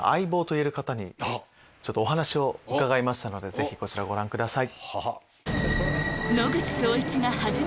ぜひこちらをご覧ください。